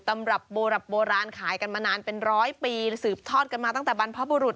ตำรับโบรับโบราณขายกันมานานเป็นร้อยปีสืบทอดกันมาตั้งแต่บรรพบุรุษ